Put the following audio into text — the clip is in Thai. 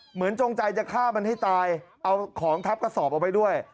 จงใจจะฆ่ามันให้ตายเอาของทับกระสอบเอาไว้ด้วย